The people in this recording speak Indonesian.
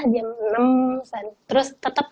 jam enam terus tetap